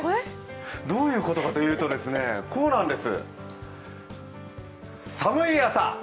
どういうことかというと、こうなんです。